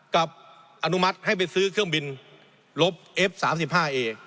กับอนุมัติให้ไปซื้อเครื่องบินลบเอฟสามสิบห้าเอ